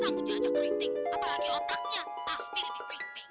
rambutnya aja keriting apalagi otaknya pasti lebih penting